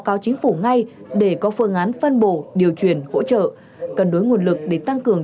cáo chính phủ ngay để có phương án phân bổ điều truyền hỗ trợ cân đối nguồn lực để tăng cường